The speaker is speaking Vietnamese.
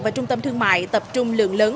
và trung tâm thương mại tập trung lượng lớn